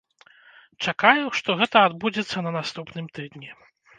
Чакаю, што гэта адбудзецца на наступным тыдні.